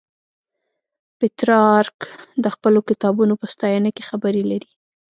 پترارک د خپلو کتابونو په ستاینه کې خبرې لري.